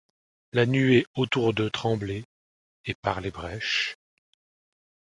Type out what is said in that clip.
La nuée autour d'eux tremblait, et par les brèches